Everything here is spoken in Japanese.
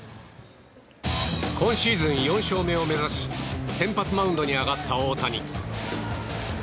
今シーズン４勝目を目指し先発マウンドに上がった大谷。